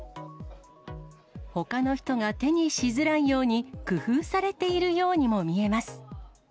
ほかの人が手にしづらいように、工夫されているようにも見えます。